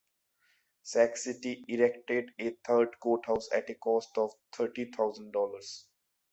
Sac City erected a third courthouse at a cost of thirty thousand dollars.